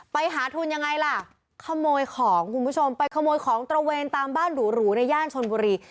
ไปหาทุนยังไงล่ะขโมยของคุณผู้ชมไปขโมยของตระเวนตามบ้านหรูในย่านชนบุรี